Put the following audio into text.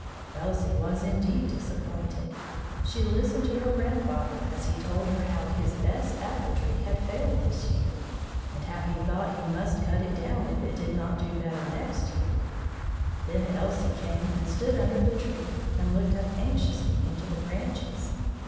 Elsie was indeed disappointed. She listened to her grandfather as he told her how his best apple tree had failed this year, and how he thought he must cut it down if it did not do better next year. Then Elsie came and stood under the tree and looked up anxiously into the branches.